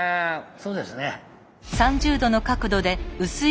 そうですね。